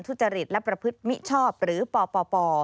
ทุจริตและประพฤติมิชชอบหรือปป